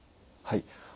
はい。